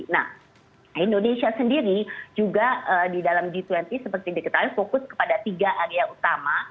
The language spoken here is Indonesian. nah indonesia sendiri juga di dalam g dua puluh seperti diketahui fokus kepada tiga area utama